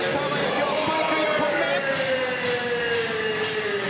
今日、スパイク１本目。